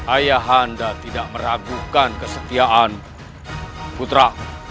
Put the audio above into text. ayah anda tidak meragukan kesetiaan putra